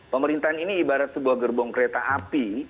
pemerintahan ini ibarat sebuah gerbong kereta api